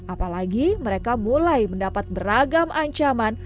apalagi mereka mulai mendapat beragam ancaman